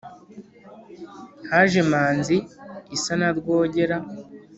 haje manzi isa na rwogera